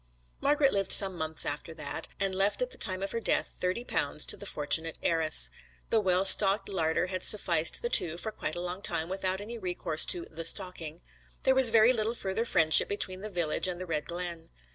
Margret lived some months after that, and left at the time of her death thirty pounds to the fortunate heiress. The well stocked larder had sufficed the two for quite a long time without any recourse to 'the stocking.' There was very little further friendship between the village and the Red Glen.